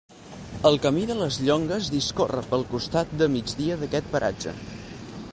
El Camí de les Llongues discorre pel costat de migdia d'aquest paratge.